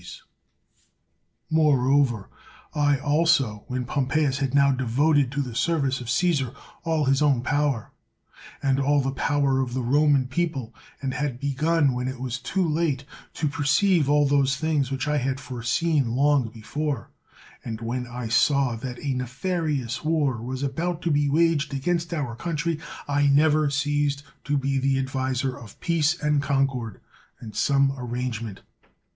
U5 THE WORLD'S FAMOUS ORATIONS Moreover, I also, when Pompeius had now devoted to the service of Caesar all his own power, and all the power of the Roman people, and had begun when it was too late to perceive all those things which I had foreseen long before, and when I saw that a nefarious war was about to be waged against our country, I never ceased to be the adviser of peace, and concord, and some arrangement.